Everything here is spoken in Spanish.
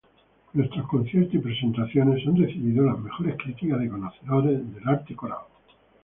Nuestros conciertos y presentaciones han recibido las mejores críticas de conocedores del arte coral.